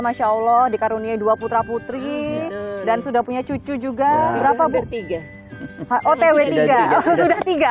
masya allah dikaruniai dua putra putri dan sudah punya cucu juga berapa bertiga otw tiga sudah tiga